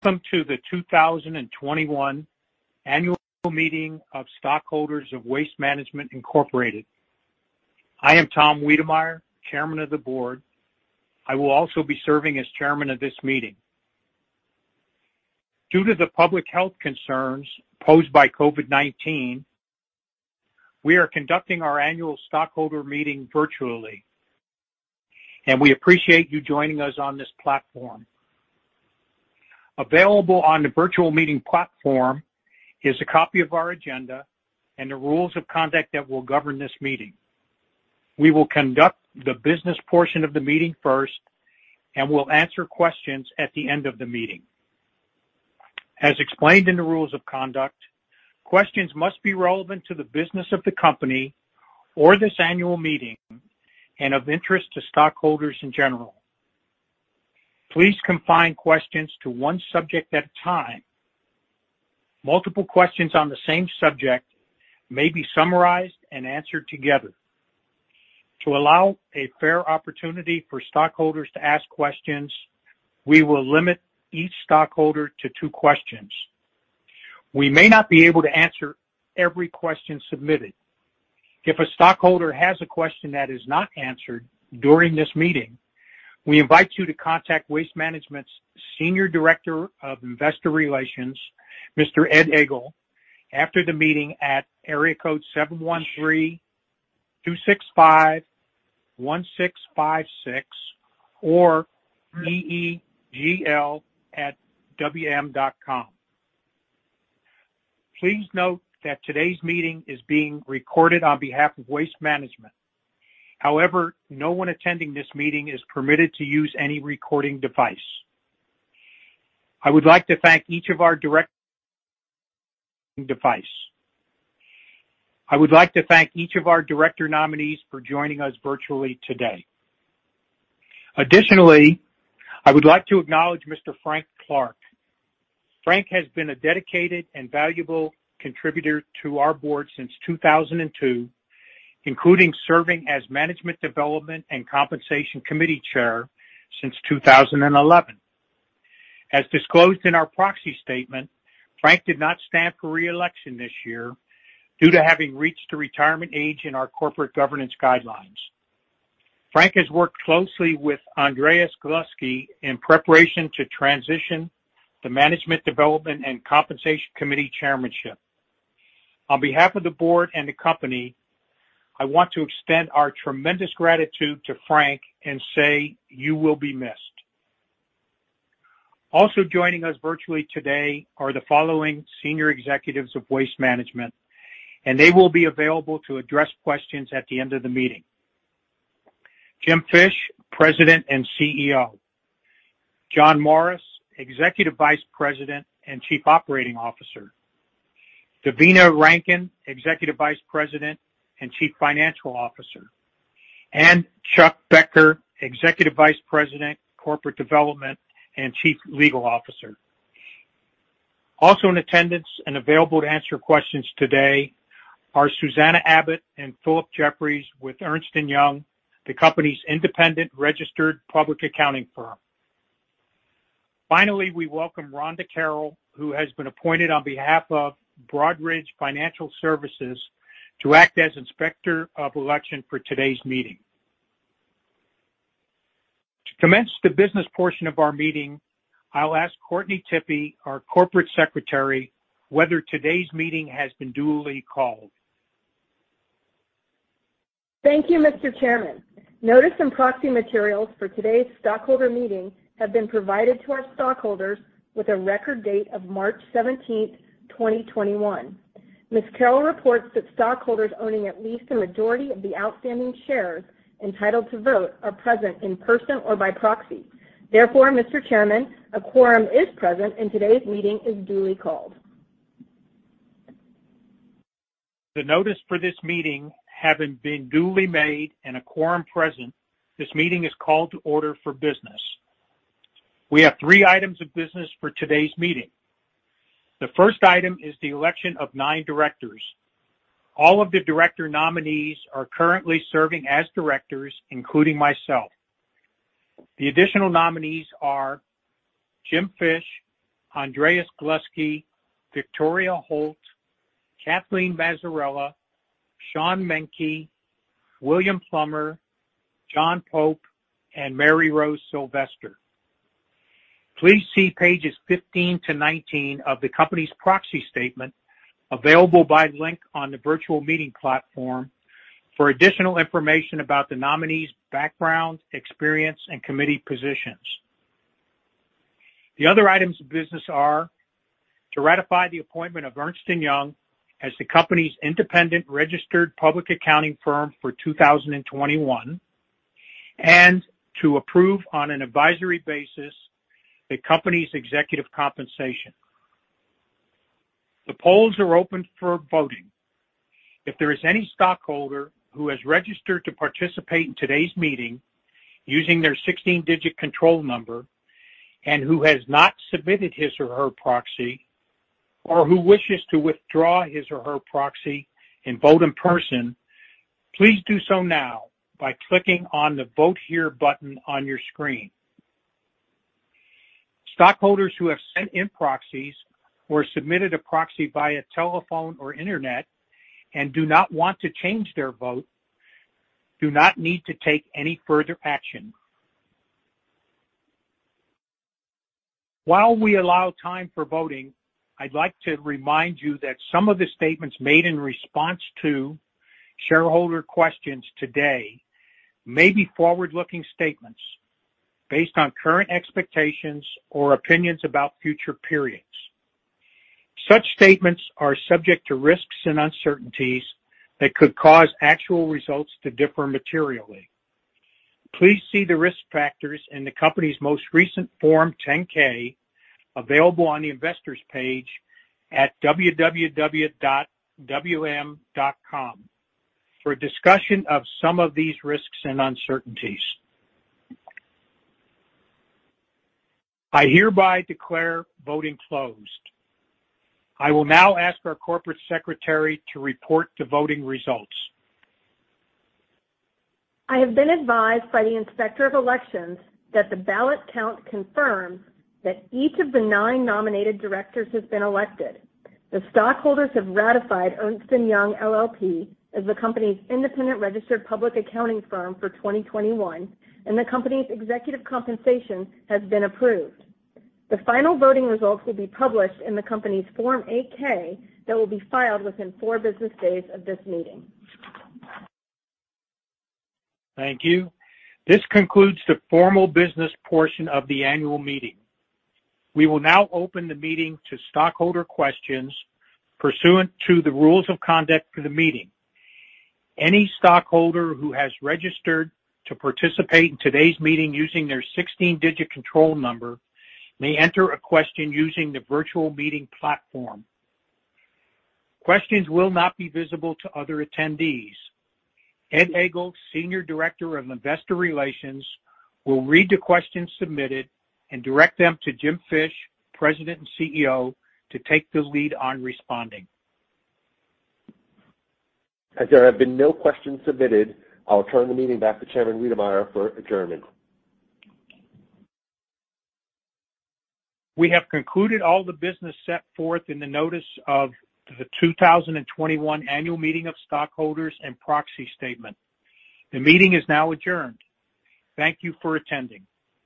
Welcome to the 2021 Annual Meeting of Stockholders of Waste Management, Inc. I am Tom Weidemeyer, Chairman of the Board. I will also be serving as chairman of this meeting. Due to the public health concerns posed by COVID-19, we are conducting our annual stockholder meeting virtually, and we appreciate you joining us on this platform. Available on the virtual meeting platform is a copy of our agenda and the rules of conduct that will govern this meeting. We will conduct the business portion of the meeting first, and we'll answer questions at the end of the meeting. As explained in the rules of conduct, questions must be relevant to the business of the company or this annual meeting and of interest to stockholders in general. Please confine questions to one subject at a time. Multiple questions on the same subject may be summarized and answered together. To allow a fair opportunity for stockholders to ask questions, we will limit each stockholder to two questions. We may not be able to answer every question submitted. If a stockholder has a question that is not answered during this meeting, we invite you to contact Waste Management's Senior Director of Investor Relations, Mr. Ed Egl, after the meeting at area code 713-265-1656 or eegl@wm.com. Please note that today's meeting is being recorded on behalf of Waste Management. No one attending this meeting is permitted to use any recording device. I would like to thank each of our director nominees for joining us virtually today. I would like to acknowledge Mr. Frank Clark. Frank has been a dedicated and valuable contributor to our board since 2002, including serving as Management Development and Compensation Committee Chair since 2011. As disclosed in our proxy statement, Frank did not stand for re-election this year due to having reached the retirement age in our corporate governance guidelines. Frank has worked closely with Andrés R. Gluski in preparation to transition the Management Development and Compensation Committee Chairmanship. On behalf of the board and the company, I want to extend our tremendous gratitude to Frank and say, you will be missed. Also joining us virtually today are the following senior executives of Waste Management, and they will be available to address questions at the end of the meeting. James C. Fish, Jr., President and CEO. John J. Morris, Jr., Executive Vice President and Chief Operating Officer. Devina Rankin, Executive Vice President and Chief Financial Officer. Charles C. Boettcher, Executive Vice President, Corporate Development and Chief Legal Officer. Also in attendance and available to answer questions today are Susanna Abbott and Philip Jeffries with Ernst & Young, the company's independent registered public accounting firm. Finally, we welcome Rhonda Carroll, who has been appointed on behalf of Broadridge Financial Solutions to act as Inspector of Election for today's meeting. To commence the business portion of our meeting, I'll ask Courtney Tippy, our Corporate Secretary, whether today's meeting has been duly called. Thank you, Mr. Chairman. Notice and proxy materials for today's stockholder meeting have been provided to our stockholders with a record date of March 17, 2021. Ms. Carroll reports that stockholders owning at least a majority of the outstanding shares entitled to vote are present in person or by proxy. Mr. Chairman, a quorum is present, and today's meeting is duly called. The notice for this meeting having been duly made and a quorum present, this meeting is called to order for business. We have three items of business for today's meeting. The first item is the election of nine directors. All of the director nominees are currently serving as directors, including myself. The additional nominees are James C. Fish, Jr., Andrés R. Gluski, Victoria M. Holt, Kathleen M. Mazzarella, Sean E. Menke, William B. Plummer, John Pope, and Maryrose T. Sylvester. Please see pages 15-19 of the company's proxy statement, available by link on the virtual meeting platform, for additional information about the nominees' background, experience, and committee positions. The other items of business are to ratify the appointment of Ernst & Young as the company's independent registered public accounting firm for 2021 and to approve, on an advisory basis, the company's executive compensation. The polls are open for voting. If there is any stockholder who has registered to participate in today's meeting using their 16-digit control number and who has not submitted his or her proxy, or who wishes to withdraw his or her proxy and vote in person, please do so now by clicking on the Vote Here button on your screen. Stockholders who have sent in proxies or submitted a proxy via telephone or internet and do not want to change their vote do not need to take any further action. While we allow time for voting, I'd like to remind you that some of the statements made in response to shareholder questions today may be forward-looking statements based on current expectations or opinions about future periods. Such statements are subject to risks and uncertainties that could cause actual results to differ materially. Please see the risk factors in the company's most recent Form 10-K, available on the investors page at www.wm.com, for a discussion of some of these risks and uncertainties. I hereby declare voting closed. I will now ask our Corporate Secretary to report the voting results. I have been advised by the Inspector of Elections that the ballot count confirms that each of the nine nominated directors has been elected. The stockholders have ratified Ernst & Young LLP as the company's independent registered public accounting firm for 2021, and the company's executive compensation has been approved. The final voting results will be published in the company's Form 8-K that will be filed within four business days of this meeting. Thank you. This concludes the formal business portion of the annual meeting. We will now open the meeting to stockholder questions pursuant to the rules of conduct for the meeting. Any stockholder who has registered to participate in today's meeting using their 16-digit control number may enter a question using the virtual meeting platform. Questions will not be visible to other attendees. Ed Egl, Senior Director of Investor Relations, will read the questions submitted and direct them to Jim Fish, President and CEO, to take the lead on responding. As there have been no questions submitted, I'll turn the meeting back to Chairman Weidemeyer for adjournment. We have concluded all the business set forth in the notice of the 2021 Annual Meeting of Stockholders and proxy statement. The meeting is now adjourned. Thank you for attending.